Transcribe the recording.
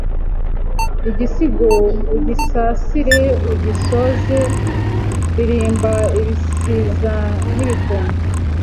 Igisigo ugisasire ugisoze Ririmba ibisiza n'ibikombe